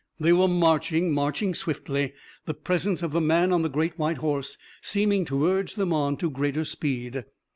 They were marching, marching swiftly, the presence of the man on the great white horse seeming to urge them on to greater speed.